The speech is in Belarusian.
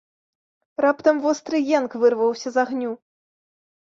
Раптам востры енк вырваўся з агню.